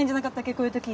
こういう時。